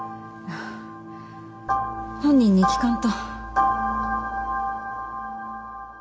本人に聞かんと。